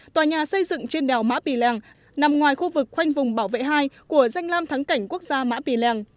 tòa nhà xây dựng trên đèo mã pì lèng nằm ngoài khu vực khoanh vùng bảo vệ hai của danh lam thắng cảnh quốc gia mã pì lèng